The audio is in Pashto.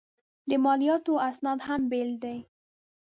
د مالیاتو اسناد هم بېل دي.